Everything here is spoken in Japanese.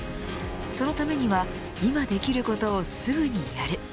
そのためには今できることをすぐにやる。